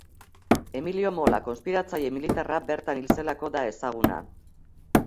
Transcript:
Emilio Mola konspiratzaile militarra bertan hil zelako da ezaguna.